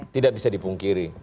tidak bisa dipungkiri